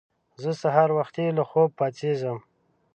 زه سهار وختي له خوبه پاڅېږم